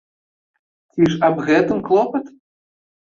Ці ж аб гэтым клопат?